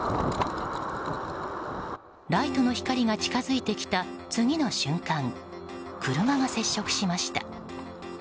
ライトの光が近づいてきた次の瞬間車が接触しました。